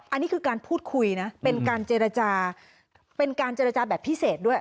อันนี้คือการพูดคุยนะเป็นการเจรจาเป็นการเจรจาแบบพิเศษด้วย